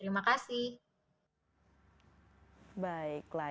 maka sejauh apa kita harus ikhtiar